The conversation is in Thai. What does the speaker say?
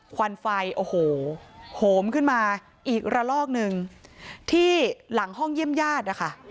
ควันไฟโอ้โหโหมขึ้นมาอีกระลอกหนึ่งที่หลังห้องเยี่ยมญาตินะคะ